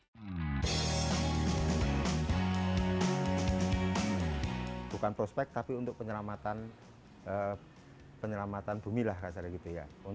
jadi kita harus berpikir pikir kita harus berpikir pikir